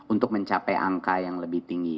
untuk mencapai angka yang lebih tinggi